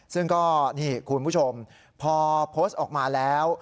ซึ่งก็นี่คุณผู้ชมพอโพสต์ออกมาแล้ว